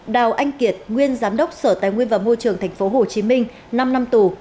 đào anh kiệt nguyên giám đốc sở tài nguyên và môi trường tp hcm năm năm tù